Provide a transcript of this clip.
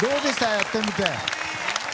やってみて。